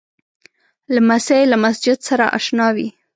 لمسی له مسجد سره اشنا وي.